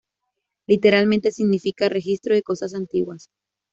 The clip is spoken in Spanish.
Literalmente significa ‘registro de cosas antiguas’.